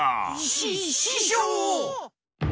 しししょう！